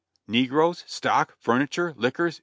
Negroes! Stock! Furniture! Liquors!